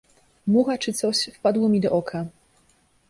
Mucha czy coś — wpadło mi do oka.